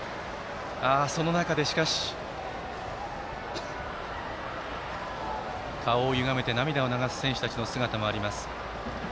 その中で、しかし顔をゆがめて涙を流す選手の姿もあります。